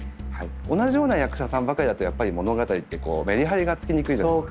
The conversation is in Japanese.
同じような役者さんばかりだとやっぱり物語ってメリハリがつきにくいじゃないですか。